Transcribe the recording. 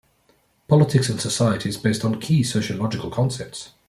Politics and Society is based on key sociological concepts.